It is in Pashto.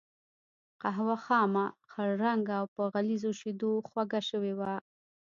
قهوه خامه، خړ رنګه او په غليظو شیدو خوږه شوې وه.